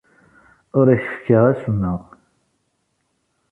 Ur ak-fkiɣ acemma.